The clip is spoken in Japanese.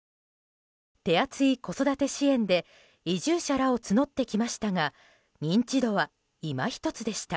手厚い子育て支援で移住者らを募ってきましたが認知度は、いまひとつでした。